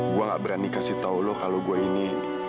gue gak berani kasih tau lo kalau gue ini